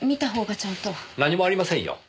何もありませんよ。